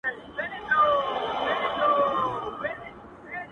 زما د غیرت شمله به کښته ګوري.!